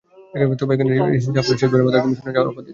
তবে, এখানে এসেছি আপনাদের শেষবারের মতো একটা মিশনে যাওয়ার অফার দিতে।